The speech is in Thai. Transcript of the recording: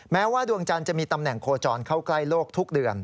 แม้ว่าดวงจันทร์จะมีตำแหน่งโคจรเข้าใกล้โลกทุกเดือน